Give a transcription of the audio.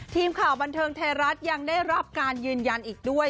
ทีมข่าวบันเทิงไทยรัฐยังได้รับการยืนยันอีกด้วย